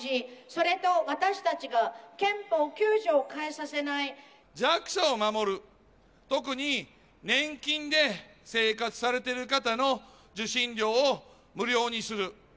それと、私たちが憲法９条を変え弱者を守る、特に、年金で生活されている方の受信料を無料にする。